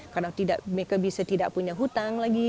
karena mereka bisa tidak punya hutang lagi